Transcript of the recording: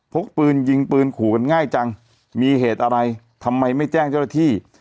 พกปืนยิงปืนขู่กันง่ายจังมีเหตุอะไรทำไมไม่แจ้งเจ้าหน้าที่